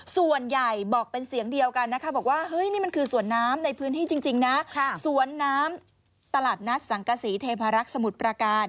ส่วนใหญ่บอกเป็นเสียงเดียวกันนะคะบอกว่าเฮ้ยนี่มันคือสวนน้ำในพื้นที่จริงนะสวนน้ำตลาดนัดสังกษีเทพารักษ์สมุทรประการ